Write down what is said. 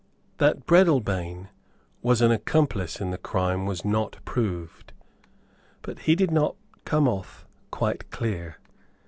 That Breadalbane was an accomplice in the crime was not proved; but he did not come off quite clear.